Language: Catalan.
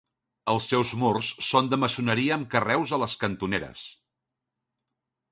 Els seus murs són de maçoneria amb carreus a les cantoneres.